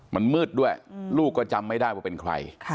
มันมืดด้วยลูกก็จำไม่ได้ว่าเป็นใคร